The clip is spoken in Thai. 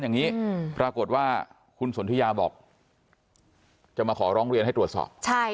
อย่างนี้ปรากฏว่าคุณสนทิยาบอกจะมาขอร้องเรียนให้ตรวจสอบ